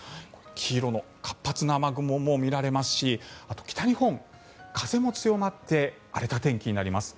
黄色の活発な雨雲も見られますし北日本、風も強まって荒れた天気になります。